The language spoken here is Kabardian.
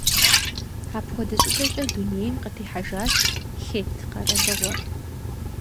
Апхуэдэ щӏыкӏэкӏэ дунейм къытехьэжащ Хетт къэралыгъуэр.